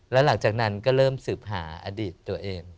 แล้วหลังจากนั้นก็เริ่มสืบหาอดีตตัวเอง